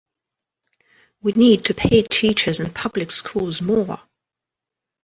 We need to pay teachers in public schools more.